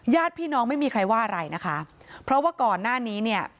ญาติพี่น้องไม่มีใครว่าอะไรนะคะเพราะว่าก่อนหน้านี้เนี่ย